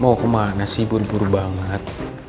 mau kemana sih buru buru banget